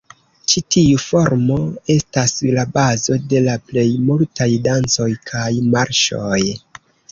Ĉi tiu formo estas la bazo de la plej multaj dancoj kaj marŝoj.